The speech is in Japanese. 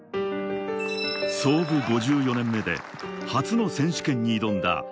創部５４年目で初の選手権に挑んだ